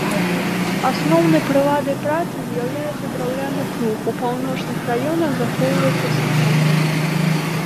Асноўнай прыладай працы з'яўляецца драўляны плуг, у паўночных раёнах захоўваецца саха.